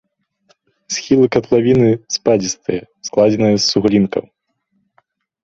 Схілы катлавіны спадзістыя, складзеныя з суглінкаў.